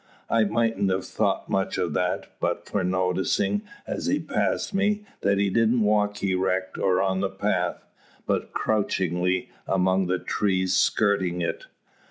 I mightn't have thought much of that, but for noticing, as he passed me, that he didn't walk erect or on the path, but crouchingly, among the trees skirting it.